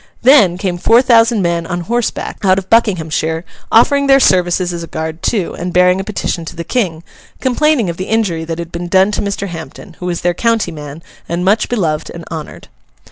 Then, came four thousand men on horseback out of Buckinghamshire, offering their services as a guard too, and bearing a petition to the King, complaining of the injury that had been done to Mr. Hampden, who was their county man and much beloved and honoured.